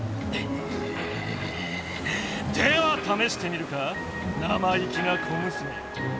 ではためしてみるか生意気な小娘よ。